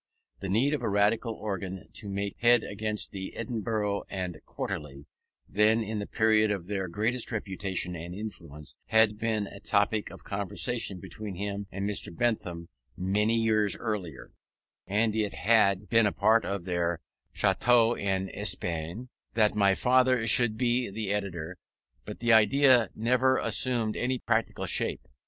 The need of a Radical organ to make head against the Edinburgh and Quarterly (then in the period of their greatest reputation and influence) had been a topic of conversation between him and Mr. Bentham many years earlier, and it had been a part of their Château en Espagne that my father should be the editor; but the idea had never assumed any practical shape.